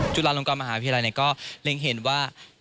จุฬานลงกรรมอาหารพิวัยก็เล็งเห็นว่า